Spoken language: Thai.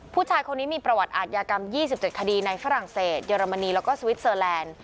ผู้ชายคนนี้มีประวัติอาทยากรรม๒๗คดีในฝรั่งเศสเยอรมนีแล้วก็สวิสเซอร์แลนด์